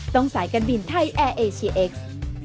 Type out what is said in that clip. สายการบินไทยแอร์เอเชียเอ็กซ์